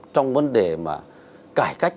trong vấn đề mà cải cách